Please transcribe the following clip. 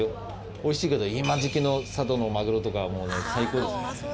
美味しいけど今の時期の佐渡のマグロとかはもうね最高ですよ。